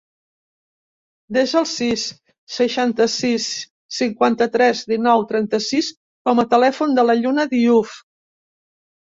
Desa el sis, seixanta-sis, cinquanta-tres, dinou, trenta-sis com a telèfon de la Lluna Diouf.